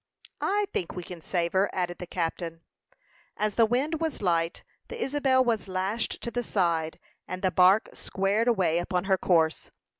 "I think we can save her," added the captain. As the wind was light, the Isabel was lashed to the side, and the bark squared away upon her course.